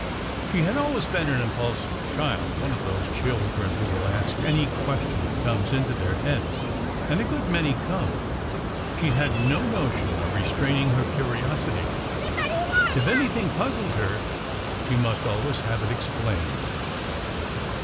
She had always been an impulsive child, one of those children who will ask any question that comes into their heads, and a good many come. She had no notion of restraining her curiosity. If anything puzzled her, she must always have it explained.